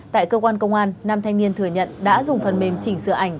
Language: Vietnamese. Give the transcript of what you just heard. tại cơ quan công an nam thanh niên thừa nhận đã dùng phần mềm chỉnh sửa ảnh